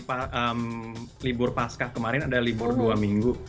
pas libur pascah kemarin ada libur dua minggu